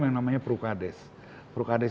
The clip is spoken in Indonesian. yang namanya prukades